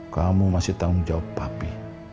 kamu masih tanggung jawab papi